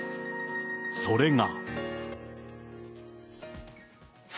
それが。